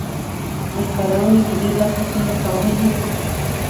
د خپرونې په دې برخه کې له ښاغلي